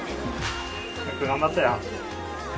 よく頑張ったよ。